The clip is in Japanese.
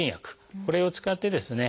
これを使ってですね